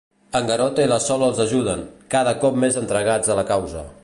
En Garota i la Sol els ajuden, cada cop més entregats a la causa.